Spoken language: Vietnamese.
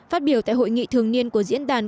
phát biểu tại hội nghị thường niên của diễn đàn